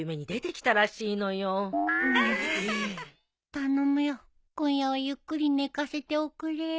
頼むよ今夜はゆっくり寝かせておくれよ。